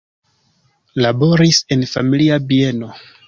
Laboris en familia bieno.